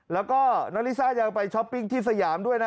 แล้วก็น้องลิซ่ายังไปช้อปปิ้งที่สยามด้วยนะ